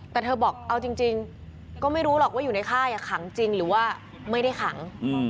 แต่เธอบอกเอาจริงก็ไม่รู้หรอกว่าอยู่ในค่ายขังจริงหรือว่าไม่ได้ขัง